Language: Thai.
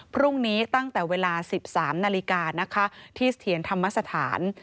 พรุ่งนี้ตั้งแต่เวลา๑๓นาฬิกานะคะที่เถียรธรรมสถาน